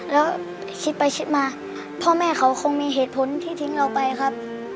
แล้วคิดไปคิดมาพ่อแม่เขาคงมีเหตุผลที่ทิ้งเราไปครับ